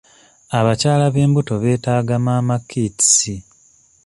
Abakyala b'embuto beetaaga mama kits.